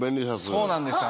そうなんです。